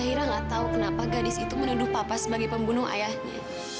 zahira gak tau kenapa gadis itu menuduh papa sebagai pembunuh ayahnya